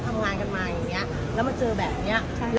ทำงานกันมาอย่างนี้แล้วมาเจอแบบนี้